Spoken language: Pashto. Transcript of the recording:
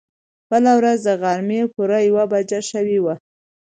بله ورځ د غرمې پوره يوه بجه شوې وه.